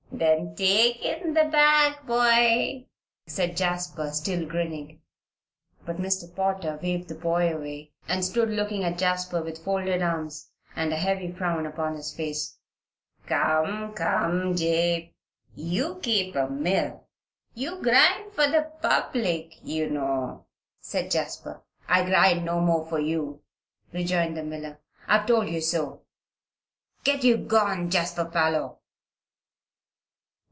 "Then take in the bag, boy," said Jasper, still grinning. But Mr. Potter waved the boy away, and stood looking at Jasper with folded arms and a heavy frown upon his face. "Come, come, Jabe! you keep a mill. You grind for the public, you know," said Jasper. "I grind no more for you," rejoined the miller. "I have told you so. Get you gone, Jasper Parloe."